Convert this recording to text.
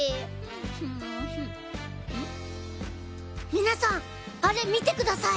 みなさんあれ見てください。